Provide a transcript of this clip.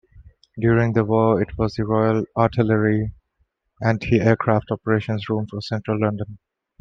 During the War, it was the Royal Artillery's anti-aircraft operations room for central London.